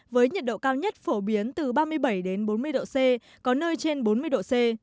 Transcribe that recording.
với nhiệt độ cao nhất phổ biến từ ba mươi bảy bốn mươi độ c có nơi trên bốn mươi độ c